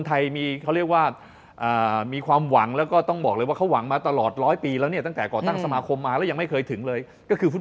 อากาศนายกสมาคมมาจุดประกายบอกว่ามาแล้วผมแค่มาบริหารทำให้ดีอาแสนี่